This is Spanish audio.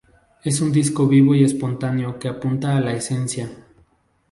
Es un disco vivo y espontáneo que apunta a la esencia.